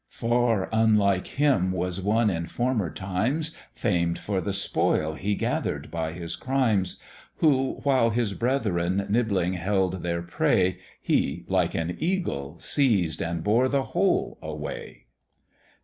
Far unlike him was one in former times, Famed for the spoil he gather'd by his crimes; Who, while his brethren nibbling held their prey, He like an eagle seized and bore the whole away.